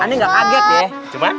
aneh nggak kaget ya